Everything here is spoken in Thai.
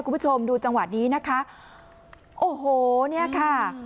คุณผู้ชมดูจังหวะนี้นะคะโอ้โหเนี่ยค่ะ